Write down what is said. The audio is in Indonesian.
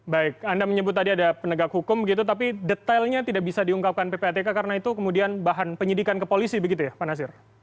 baik anda menyebut tadi ada penegak hukum begitu tapi detailnya tidak bisa diungkapkan ppatk karena itu kemudian bahan penyidikan ke polisi begitu ya pak nasir